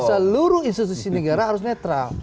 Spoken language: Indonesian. seluruh institusi negara harus netral